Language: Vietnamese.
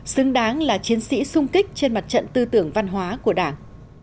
xứng đáng là chiến sĩ sung kích trên mặt trận tư tưởng văn hóa của đảng